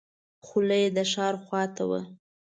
خوله یې د ښار خواته وه.